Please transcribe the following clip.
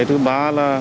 thứ ba là